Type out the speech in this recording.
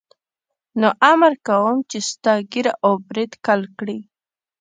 نو امر کوم چې ستا ږیره او برېت کل کړي.